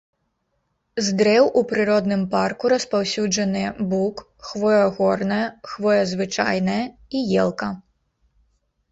З дрэў у прыродным парку распаўсюджаныя бук, хвоя горная, хвоя звычайная і елка.